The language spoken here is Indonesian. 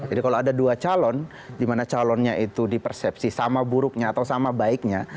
jadi kalau ada dua calon di mana calonnya itu dipersepsi sama buruknya atau sama baiknya